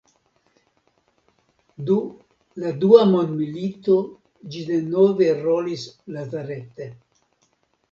Du la Dua mondmilito ĝi denove rolis lazarete.